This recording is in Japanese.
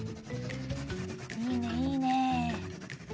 いいねいいね！